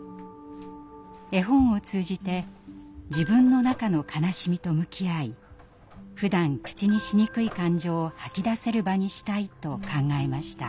絵本を通じて自分の中の悲しみと向き合いふだん口にしにくい感情を吐き出せる場にしたいと考えました。